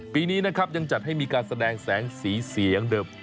ปีนี้นะครับยังจัดให้มีการแสดงแสงสีเสียงเดิม